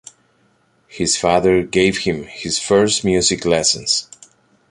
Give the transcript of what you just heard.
His father gave him his first music lessons.